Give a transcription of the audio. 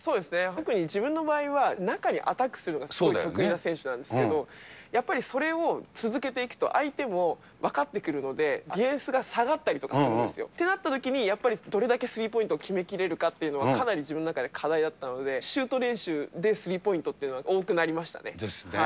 特に自分の場合は、中にアタックするのがすごい得意な選手なんですけれどもやっぱりそれを続けていくと、相手も分かってくるので、ディフェンスが下がったりとかするんですよ。ってなったときに、やっぱりどれだけスリーポイントを決めきれるかっていうのは、かなり自分の中で課題だったので、シュート練習でスリーポイントっていうのは多くなりましたね。ですね。